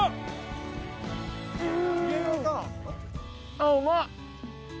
あっうまっ！